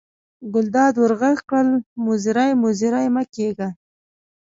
ګلداد ور غږ کړل: مزری مزری مه کېږه.